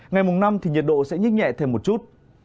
ngày mùng năm thì nhiệt độ sẽ nhích nhẹ thêm một chút